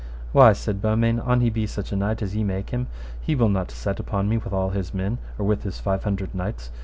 Why, said Beaumains, an he be such a knight as ye make him, he will not set upon me with all his men, or with his five hundred knights.